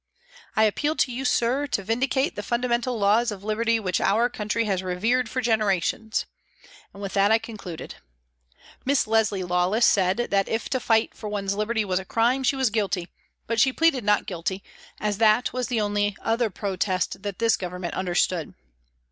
" I appeal to you, Sir, to vindicate the fundamental laws of liberty which our country has revered for generations," and with that 328 PRISONS AND PRISONERS I concluded. Miss Leslie Lawless said that if to fight for one's liberty was a crime, she was guilty, but she pleaded not guilty, as that was the only protest that this Government understood.